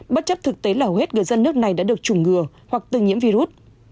bất chấp thực tế là hầu hết người dân nước này đã được chủng ngừa hoặc từ nhiễm virus